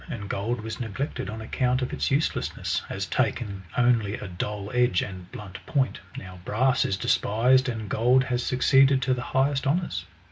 239 neglected on account of its uselessness, as taking only a dull edge and blunt, point; now brass is despised, and gold lias succeeded to the highest honours.